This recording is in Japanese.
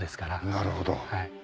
なるほど。